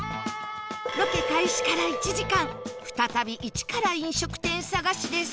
ロケ開始から１時間再び一から飲食店探しです